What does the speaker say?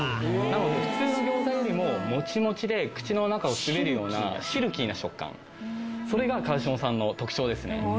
なので普通の餃子よりももちもちで口の中を滑るようなシルキーな食感それがかわしもさんの特徴ですね